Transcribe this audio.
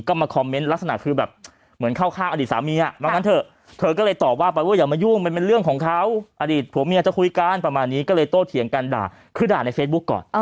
ก็มาคอร์เม้นท์ลักษณะคือแบบ